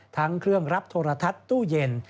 ทั้งเครื่องรับโทรทัศน์ตู้เย็น